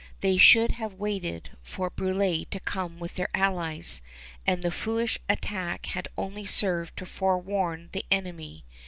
They should have waited for Brulé to come with their allies; and the foolish attack had only served to forewarn the enemy.